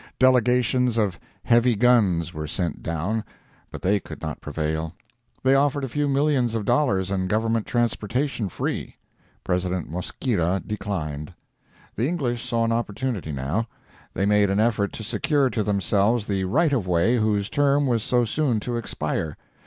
Delegations of heavy guns were sent down, but they could not prevail. They offered a few millions of dollars and Government transportation free. President Mosquiera declined. The English saw an opportunity, now. They made an effort to secure to themselves the right of way whose term was so soon to expire.